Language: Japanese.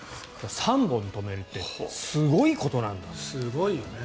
３本止めるってすごいことなんだと。